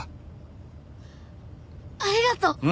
ありがとう！